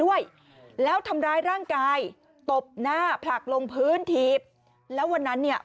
ด้วยแล้วทำร้ายร่างกายตบหน้าผลักลงพื้นถีบแล้ววันนั้นเนี่ย